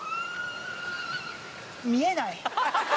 見えない。